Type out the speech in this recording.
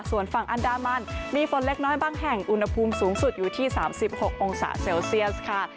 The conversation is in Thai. ส่วนฝั่งอันดามันมีฝนเล็กน้อยบางแห่งอุณหภูมิสูงสุดอยู่ที่๓๖องศาเซลเซียสค่ะ